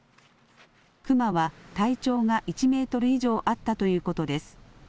クマは体長が１メートル以上あったということです。